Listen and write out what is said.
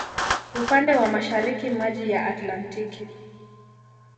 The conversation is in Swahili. Upande wa mashariki maji ya Atlantiki.